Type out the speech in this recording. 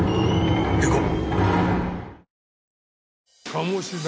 行こう。